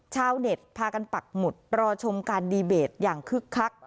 ชาวเน็ตพากันปักหมุดรอชมการดีเบตอย่างคึกคัก